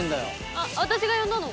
「あっ私が呼んだの」